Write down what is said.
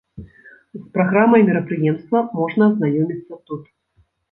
З праграмай мерапрыемства можна азнаёміцца тут.